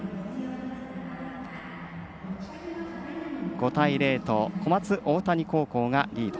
５対０と小松大谷リード。